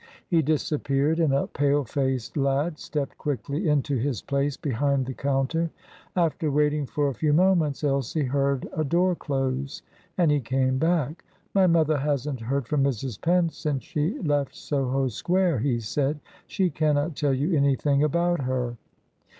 He disappeared, and a pale faced lad stepped quickly into his place behind the counter. After waiting for a few moments Elsie heard a door close, and he came back. "My mother hasn't heard from Mrs. Penn since she left Soho Square," he said. "She cannot tell you anything about her."